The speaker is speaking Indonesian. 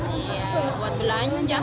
ya buat belanja